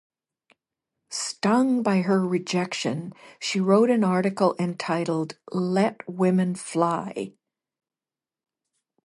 Stung by her rejection, she wrote an article entitled Let Women Fly!